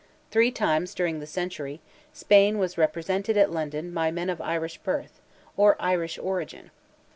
Three times, during the century, Spain was represented at London by men of Irish birth, or Irish origin.